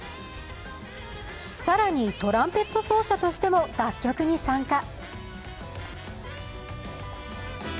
更にトランペット奏者としても楽曲に参加。